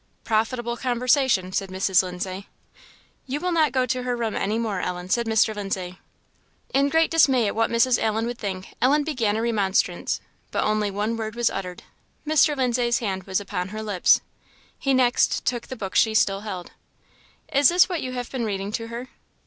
"Profitable conversation!" said Mrs. Lindsay. "You will not go to her room any more, Ellen," said Mr. Lindsay. In great dismay at what Mrs. Allen would think, Ellen began a remonstrance. But only one word was uttered; Mr. Lindsay's hand was upon her lips. He next took the book she still held. "Is this what you have been reading to her?"